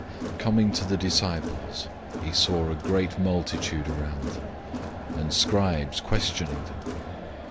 009:014 Coming to the disciples, he saw a great multitude around them, and scribes questioning them.